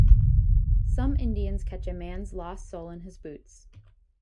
Some Indians catch a man's lost soul in his boots.